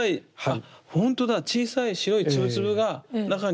ほんとだ小さい白いツブツブが中に。